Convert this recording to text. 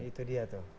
itu dia tuh